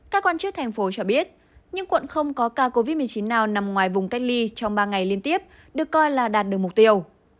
các quan chức thành phố cho biết nhưng quận không có ca covid một mươi chín nào nằm ngoài vùng cách ly trong ba ngày liên tiếp được coi là đạt được mục tiêu